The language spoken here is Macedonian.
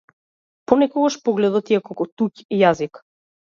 Понекогаш погледот ти е како туѓ јазик.